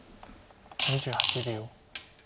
２８秒。